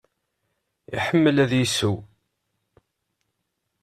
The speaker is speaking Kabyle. Iḥemmel ad yesseww?